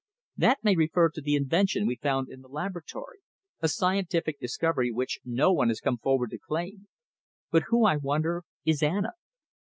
"That may refer to the invention we found in the laboratory; a scientific discovery which no one has come forward to claim. But who, I wonder, is Anna?"